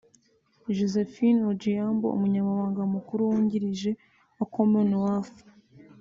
Josephine Ojiambo umunyamabanga mukuru wungirije wa Commonwealth